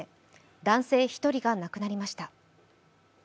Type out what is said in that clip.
男性１人が亡くなりました。